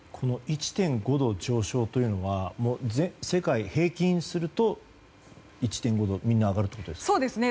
１．５度上昇というのは世界平均すると１．５度みんな上がるということですか？